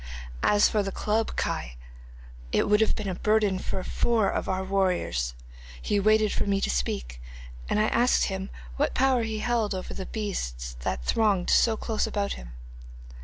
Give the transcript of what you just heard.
As for the club, Kai, it would have been a burden for four of our warriors. He waited for me to speak, and I asked him what power he held over the beasts that thronged so close about him.